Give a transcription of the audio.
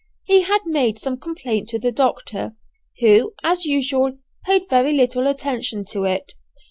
He had made some complaint to the doctor, who, as usual, paid very little attention to it.